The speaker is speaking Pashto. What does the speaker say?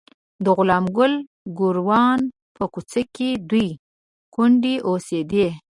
د غلام ګل ګوروان په کوڅه کې دوې کونډې اوسېدې.